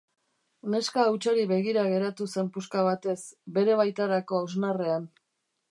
Neska hutsari begira geratu zen puska batez, bere baitarako hausnarrean.